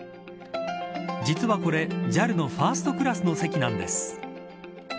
実はこれＪＡＬのファーストクラスの席なんです。